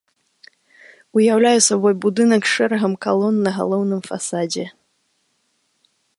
Уяўляе сабой будынак з шэрагам калон на галоўным фасадзе.